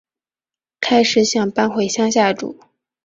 开始想搬回乡下住